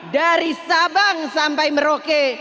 dari sabang sampai merauke